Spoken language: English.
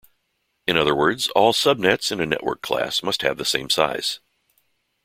In other words, all subnets in a network class must have the same size.